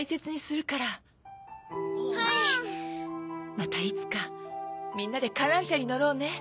またいつかみんなで観覧車に乗ろうね。